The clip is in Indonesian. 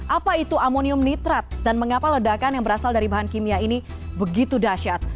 apa itu amonium nitrat dan mengapa ledakan yang berasal dari bahan kimia ini begitu dasyat